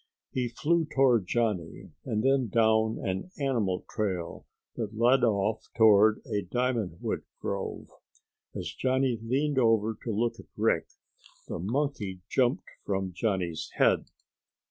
He flew toward Johnny and then down an animal trail that led off toward a diamond wood grove. As Johnny leaned over to look at Rick the monkey jumped from Johnny's head.